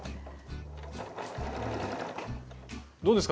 どうですか？